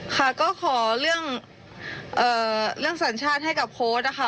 ค่ะก็ขอเรื่องสัญชาติให้กับโค้ชนะคะ